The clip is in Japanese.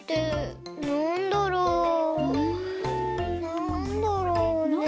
なんだろうね。